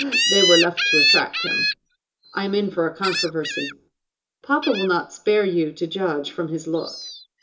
"They were left to attract him. I am in for a controversy." "Papa will not spare you, to judge from his look."